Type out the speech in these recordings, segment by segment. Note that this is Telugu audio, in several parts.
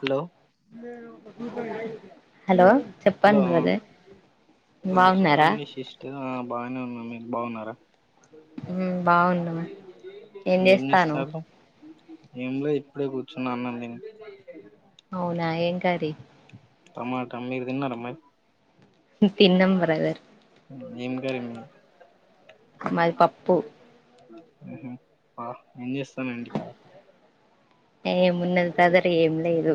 హలో హలో చెప్పండి హలో బ్రదర్ ఆ బాగున్నారా చెప్పడి సిస్ట ఆ బాగానే ఉన్నా మీరు బాగున్నారా బాగున్నామా ఏం చేస్తాను ఏంలో ఇప్పుడే కూర్చున్నా అన్నం నను అవునా ఏం కర్రీ టమాట అమ్ మీరుదిన్నారమ్మా తిన్నాం బ్రదర్ ఏం కర్రీ మీ మది పప్పు ఆహ ఏం చేస్తానండి ఇకా ఏమున్నది బ్రదర్ ఏం లేదు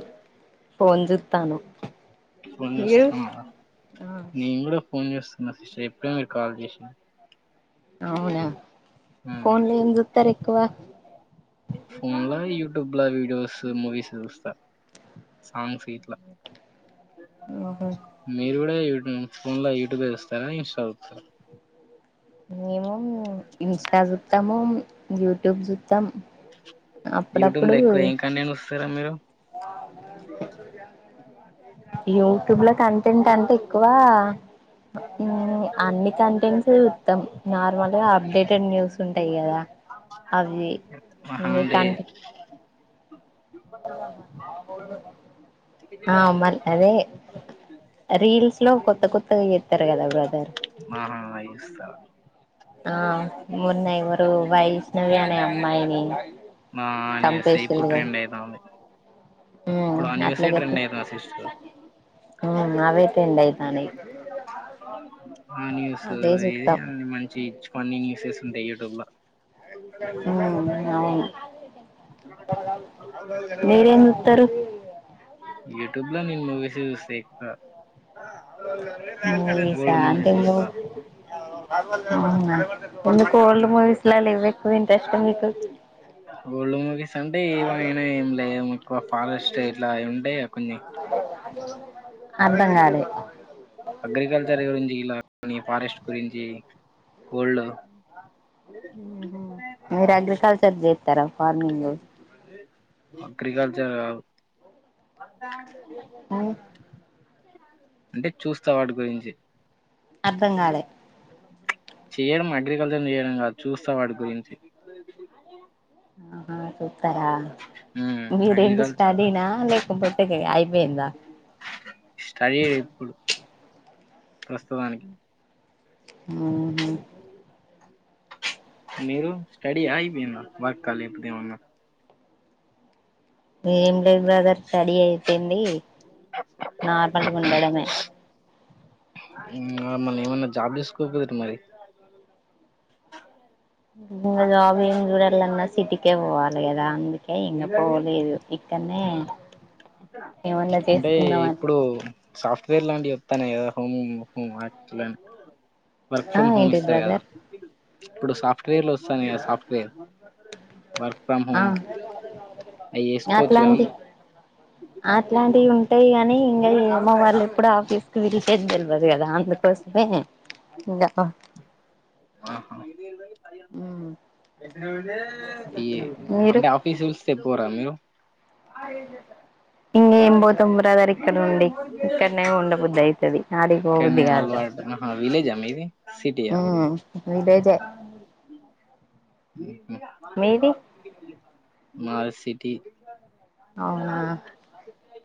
ఫోన్ చూస్తాను ఫోన్ చేస్తా ఆ నేను కూడా ఫోన్ చేస్తా సిస్టర్ ఎప్పుడేనా మీరు కాల్ చేసారు అవునా ఫోన్ లో ఎం చూతారు ఎక్కువ ఫోన్ లో యూట్యూబ్ లో వీడియోస్ మూవీస్ చూస్తా సాంగ్స్ గ్గిట్ల మ్మ్ మీరు కూడా ఫోన్ లో యూట్యూబ్ చూస్తారా ఇన్స్టా చూస్తార మము ఇన్స్టా చుతాము యూట్యూబ్ జుతాం యూట్యూబ్ లో ఎక్కువ ఏం కంటెంట్ వస్తారా మీరు యూట్యూబ్ లో కంటెంట్ అంటే ఎక్కువ అన్ని కంటె ఉత్తం నార్మల్గా అప్డేటెడ్ న్యూస్ ఉంటాయి కదా అవి మహాడి కంటే ఆ అమల్ అదే రీల్స్ లో కొత్త కొత్తగా చేస్తారు కదా బ్రదర్ ఆహా ఇస్త ఆ మన్నయి వైష్ణవిన అమ్మాయిని ఆనిసయి కుట్రంటయిద హ అట్లాగ సిస్టర్ నవైతేందయితన క ఉడి బా ఆ న్యూస్ ఇది అ మంచి కొన్ని న్యూసెస్ ఉంటాయి యూట్యూబ్ లో ఉ అవును వేరేన్తారు యూట్యూబ్ లో నిను మూవీస్ చూస్తాఇంకా [unintelligible] సా అంటే మూవీస్ చూస్తా అవునా ఓల్డ్ మూవీస్ లా లే ఇవ్వ ఎక్కువ ఇంట్రెస్ట్ మీకు. ఓల్డ్ మూవీ అంటే ఏమయినా ఏం లేక్కు ఫారెస్ట్ ఇట్లా ఉంటే కొన్నీ అర్ధం కాలే అగ్రికల్చర్ గురించి ఇలా ఫారెస్ట్ గురించి వరల్డ్ లో మీరు అగ్రికల్చర్ చేస్తారా ఫార్మింగ్ అగ్రికల్చర్ అవు అంటే చూస్తా వాటి గురించి. బంగాళ చేయడం అగ్రికల్చర్ చేయడం కాదు చూస్తా వాటి గురించి ఆహా చూస్తారా ఉమ్ మీరెంటి అగ్రికల్చర్ స్టడీనా లేకపోతే అయిపోయిందా స్టడీ ఇప్పుడు ప్రస్తుతానికి ఆ మీరు స్టడీ అయిపోయినా వర్క్ హా లేపోతే ఏమన్నా ఏం లేదు బ్రదర్ స్టడీ అయిపోంది ఇంకా మళ్ళీ ఏం జాబ్ చూస్కోపో మరి ఇంగ జాబ్ చూడలన్నా సిటీకి పోవాలి గద అందుకు కే ఇంగ పోలేదు ఇక్కనే అంటే ఇప్పుడు సాఫ్ట్వేర్ లాంటివి వస్తానాయి కదా హోమ్ క్ల వర్క్ ఆ ఫ్రమ్ హోమ్ ఏంటిది ఇస్తారు కదా బ్రదర్ ఇప్పుడు సాఫ్ట్వేర్ లో వస్తాన సాఫ్ట్వేర్ వర్క్ ఫ్రమ్ ఆ హోమ్ అవి చేసుకోవచ్చుగా అట్లాంటి అట్లాంటివి ఉంటాయి కా ఇంగ ఏమో వాళ్లు ఎప్పుడు ఆఫీస్ కి పిలిచేది తెలవదు కదా అందుకోసమే. ఇంకా ఆహా ఆ ఈ మీరు అంటే ఆఫీస్ పిలిస్తే పోరా మీరు అదే [inaudible] ఇంక ఏం పోతావు బ్రదర్ ఇక్కడ నుండి ఇక్కడనే ఉండబుద్ధి అవుతుది ఆడిగి పో బుద్ధి కాదు ఇగ. విలేజ్ హా మీది సిటీయా విలేజ్ ఏ మీది మాది సిటీ అవునా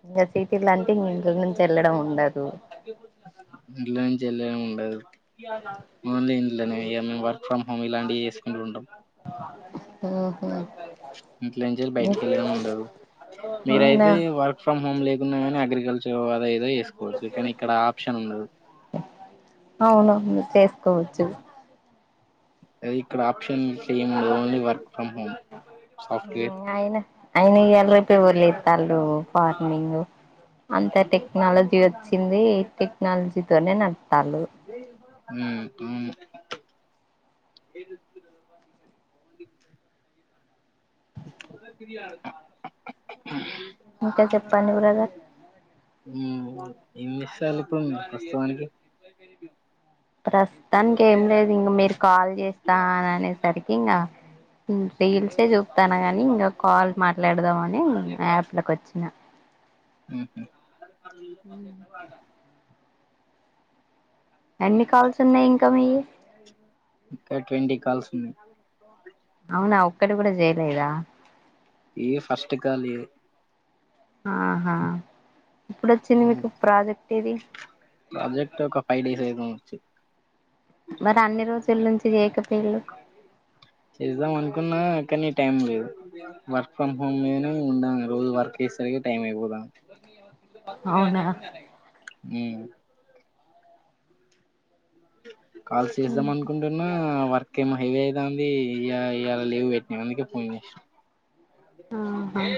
ఇంక సీటీ అంటే ఇంట్లో నుంచి వెళ్ళడం. డదు ఇంట్లో నుంచి వెళ్లడమే ఉండదు ఓన్లీ ఇంట్లోనే ఇగ ఫ్రమ్ హోమ్ ఇలాంటివి చేసుకుంట ఉంటాం. హుహు ఇంట్లో నుంచి బయటికి వెళ్ళడం ఉండదు అవునా మీరయితే వర్క్ ఫ్రమ్ హోమ్ లేకున్నా కాని అగ్రికల్చర్ [inaudible] ఏదో చేసుకోవచ్చు కానీ ఇక్కడ ఆప్షన్ ఉండదు. అవును చేసుకోవచ్చు ఇక్కడ ఆప్షన్స్ ఏం ఉండదు only work from home software. అయినా ఇయ్యాల రేపు ఎవరి చేతన్రు ఫార్మింగ్ అంత టెక్నాలజీ వచ్చింది టెక్నాలజీతోనే నడుస్తూ హమ్ అవును [inaudible] మనకి ఫ్రీ కాదు. ఇంకా చెప్పండి బ్రదర్. ఉమ్ ఎన్ని సార్లిప్పుమ్ ప్రస్తవానికి. ప్రస్తుతానికి ఏం లేదు ఇంక మీరు కాల్ చేస్తా అని అనేసరికి ఇంకా. ఉ రీల్సే చూస్తాన్న గాని ఇంకా కాల్ మాట్లాడదము అని యాప్ లోకి వచ్చిన. మ్ నికు ఆధార్ కార్డు ఉందా సప్లై చేసినపుడు రాదా. ఎన్ని కాల్స్ ఉన్నాయి ఇంకా మీయి. ఇంకా ట్వంటీ కాల్స్ ఉన్నాయి. అవునా ఒక్కటి కూడా చేయలేదా. ఇది ఫస్ట్ కాల్ ఇది ఆహా ఇప్పుడు వచ్చింది ఓహు మీకు ప్రాజెక్ట్ ఇది ప్రజెక్ట్ ఒక ఫైవ్ డేస్ అయితాంది వచ్చి. మరి అన్ని రోజుల నుంచి చేయక పోయిల్లు. చేస్ద్దాం అనుకున్నా కానీ టైం లేదు వర్క్ ఫ్రమ్ హోమ్ మీదనే ఉన్నాం రోజు వర్క్ చేసేసరికి టైం అయిపోతాంది. అవునా. మ్మ్మ్మ్ కాల్స్ చేద్దాం అనుకుంటున్నా వర్క్, వర్క్ ఏమో హై అయితాంది ఇగ ఇవాల లీవ్ పెట్టినా అందుకే ఫోన్ చేసిన. ఏ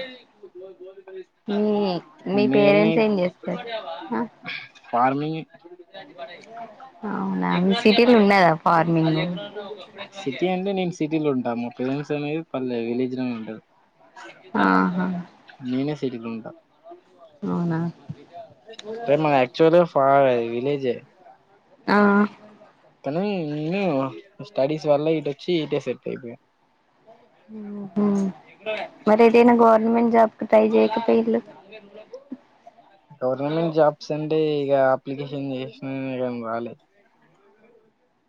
మ్ మీ పేరెంట్స్ మెయిన్ ఏం చేస్తారు. ఫార్మింగ్. ఇవి దంచి పడేయ్. సిటీ అండీ, నేను సిటీలో ఉంటాము. ప్రీ వెన్యూస్ అనేది పర్లేదు విలేజ్ లోను ఉంటారు. ఆహా తెలీకుండా అవునా రేయ్ మాది ఆక్చువల్గా ఫ విలేజే. ఆ కాని నేను నా స్టడీస్ వళ్ల ఇట్ వచ్చి ఇటే సెట్ అయిపోయిన. మ్ హు మరి ఎదైనా గవ గవర్నమెంట్ జాబ్కి ట్రై చేయొచ్చు కదా వీళ్ళు. గవర్నమెంట్ జాబ్స్ అంటే ఇక అప్లికేషన్ చేసిన కాని రాలే.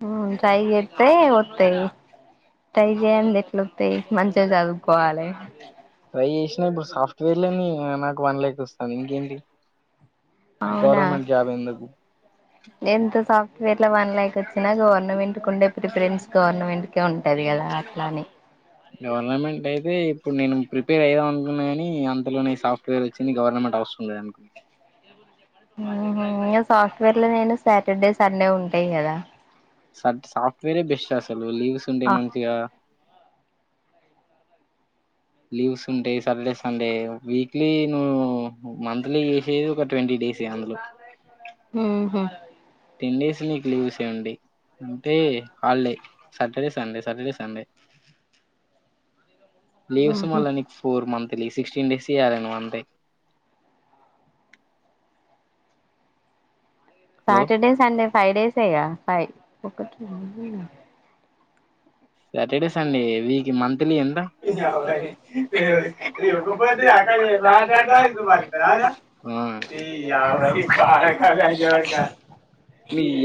మ్ ట్రై చేస్తే వత్తాయి. ట్రై చేయంది ఎట్ల వత్తయి మంచిగ చదువుకోవాలె. ట్రై చేసిన ఇప్పుడు సాఫ్ట్వేర్లోనే నాకు వన్ లాక్ వస్థంది ఇంకేంటి. అవునా గవర్నమెంట్ జాబ్ ఎందుకు ఎంత సాఫ్ట్ సాఫ్ట్వేర్ల వన్ ల్యాక్ వచ్చినా గవర్నమెంట్. కుండే ప్రిఫెరెన్సు గవర్నమెంట్కే ఉంటది కదా అట్లాని. అప్పుడు నేను ప్రిపేర్ అయిదాం అనుకున్నా కాని అంతలోనే సాఫ్ట్వేర్ వచ్చింది గవర్నమెంట్ అవసరం లేదు అం మ్ హు ఇగ సాఫ్ట్వేర్ లో నైనా సాటర్డే, సండే ఉంటాయి కదా. స సాఫ్ట్వేరే బెస్ట్ అసలు లీవ్స్ ఉంటాయి ఆ మంచిగా. [unintelligible] లీవ్స్ ఉంటాయి సాటర్డే, సండే వీక్లీ నువ్వు మంత్లీ చేసేది ఒక ట్వంటీ డేస్. అందులో మ్ హు టెన్ డేస్ నీకు లీవ్సె ఉండీ అంటే holiday. Saturday, Sunday. Saturday, Sunday. Leaves ఉహు మళ్ళా నీకు ఫోర్ మంత్. సిక్స్టీన్ డేస్ యి రాయాలి నువ్ అంతే. హలో సాటర్డే, సండే ఫైడేస్ ఆ గా ఫై సటర్డే సండే వీక్ మంత్ మీ ఎంత రెండు ఆ